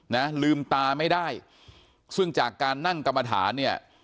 คือเป็นคนเป็นองค์มาเลย